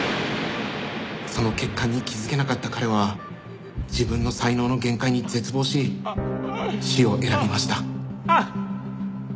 その欠陥に気づけなかった彼は自分の才能の限界に絶望し死を選びました。